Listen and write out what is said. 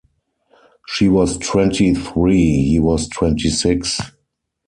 She was twenty-three; he was twenty-six.